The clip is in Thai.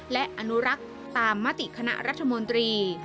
และอนุรักษ์ตามมติคณะรัฐมนตรี